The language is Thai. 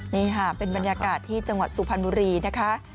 นี่ค่ะเป็นบรรยากาศที่จังหวัดสุพรรณบุรีนะคะ